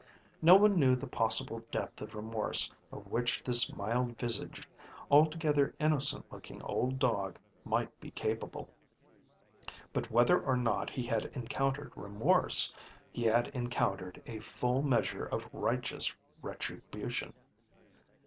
No one knew the possible depth of remorse of which this mild visaged, altogether innocent looking old dog might be capable but whether or not he had encountered remorse, he had encountered a full measure of righteous retribution.